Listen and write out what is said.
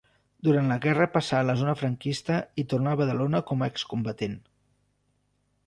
Durant la guerra passà a la zona franquista i tornà a Badalona com a excombatent.